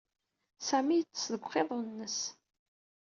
Sami yeṭṭes deg uqiḍun-nnes.